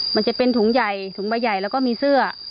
มันจะเป็นถุงใหญ่ถุงใบใหญ่แล้วก็มีเสื้อ